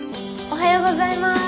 おはようございます。